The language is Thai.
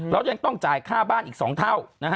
แล้วยังต้องจ่ายค่าบ้านอีก๒เท่า